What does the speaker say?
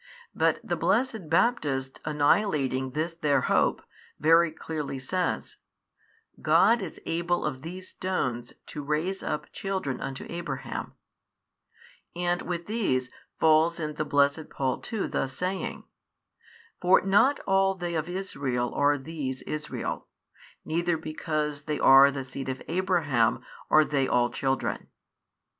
But the blessed Baptist annihilating this their hope, very clearly says, God is able of these stones to raise up children unto Abraham: And with these falls in the blessed Paul too thus saying, For not all they of Israel are these Israel, neither because they are the seed of Abraham are they all children.